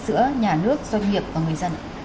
giữa nhà nước doanh nghiệp và người dân